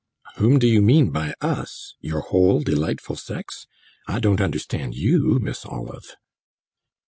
"Whom do you mean by 'us' your whole delightful sex? I don't understand you, Miss Olive."